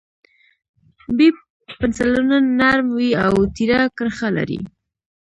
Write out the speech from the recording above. B پنسلونه نرم وي او تېره کرښه لري.